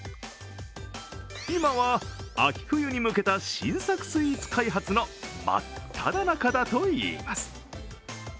今は秋冬に向けた新作スイーツ開発の真っただ中だといいます。